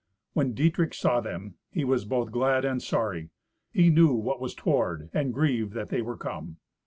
When Dietrich saw them, he was both glad and sorry; he knew what was toward, and grieved that they were come.